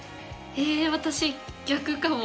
え私逆かも。